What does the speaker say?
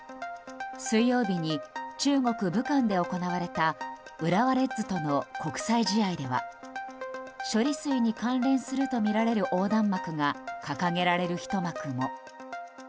水曜日に中国・武漢で行われた浦和レッズとの国際試合では処理水に関連するとみられる横断幕が掲げられる、ひと幕も。